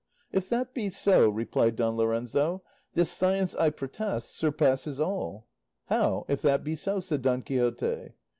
"If that be so," replied Don Lorenzo, "this science, I protest, surpasses all." "How, if that be so?" said Don Quixote.